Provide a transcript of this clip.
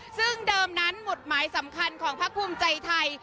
ซึ่งเดิมนั้นหมุดหมายสำคัญของพักภูมิใจไทย